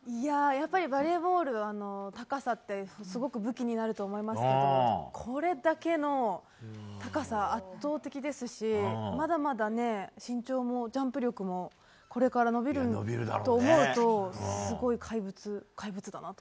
バレーボールは高さが武器になると思いますからこれだけの高さ、圧倒的ですしまだまだ身長もジャンプ力もこれから伸びると思うとすごい怪物だなと。